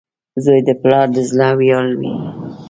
• زوی د پلار د زړۀ ویاړ وي.